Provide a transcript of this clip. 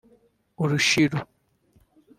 urushiru